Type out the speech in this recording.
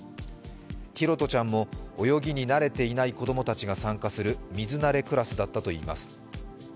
拓杜ちゃんも泳ぎに慣れていない子供たちが参加する水慣れクラスだったといいます。